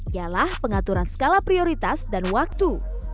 ialah pengaturan skala prioritas dan waktu